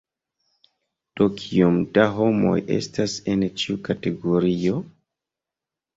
Do kiom da homoj estas en ĉiu kategorio?